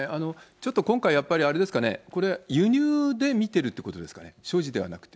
ちょっと今回、やっぱりあれですかね、これ、輸入で見てるってことですかね、所持ではなくて。